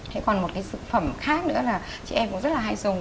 thế còn một cái thực phẩm khác nữa là chị em cũng rất là hay dùng